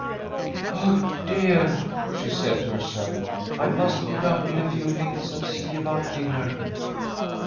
"Oh, dear!" she said to herself, "I must get up in a few minutes and see about dinner."